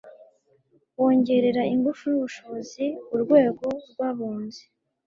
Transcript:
kongerera ingufu n'ubushobozi urwego rw' abunzi